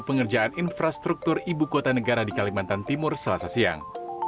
pengerjaan infrastruktur ibu kota negara di kalimantan timur selasa siang